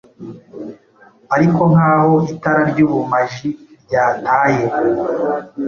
Ariko nkaho itara ryubumaji ryataye